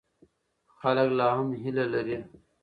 خلک لا هم هیله لري.